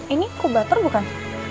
ini kubater bukan